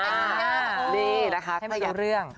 นี่นะคะให้มันรู้เรื่อง